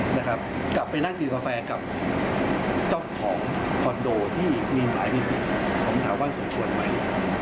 กลับไปนั่งกินกาแฟกับเจ้าของคอนโดที่มีหมายผิดผมถามว่าสมควรไหม